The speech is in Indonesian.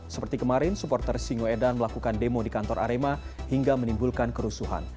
seperti kemarin supporter singoedan melakukan demo di kantor arema hingga menimbulkan kerusuhan